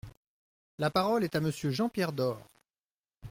La parole est à Monsieur Jean-Pierre Door.